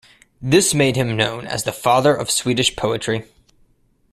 This made him known as "the father of Swedish poetry".